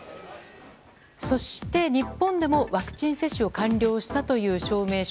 そして、日本でもワクチン接種を完了したという証明書